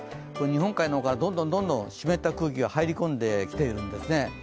日本海の方からどんどん湿った空気が入り込んできているんですね。